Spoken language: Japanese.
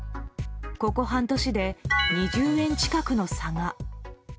ここ半年で２０円近くの差が。